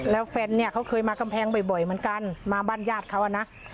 แล้วแฟนเนี่ยเขาเคยมากำแพงบ่อยเหมือนกันมาบ้านญาติเขานะ